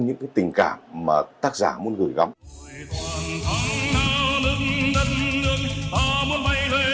những cái tình cảm mà tác giả muốn gửi gắm